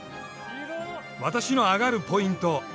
私のアガるポイント